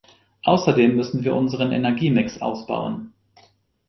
Außerdem müssen wir unseren Energiemix ausbauen.